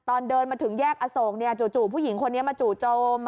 ตอนเดินมาถึงแยกอโศกจู่ผู้หญิงคนนี้มาจู่โจม